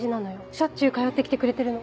しょっちゅう通ってきてくれてるの。